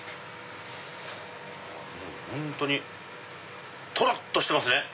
本当にとろっとしてますね。